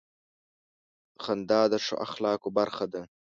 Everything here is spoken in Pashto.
• خندا د ښو اخلاقو برخه ده.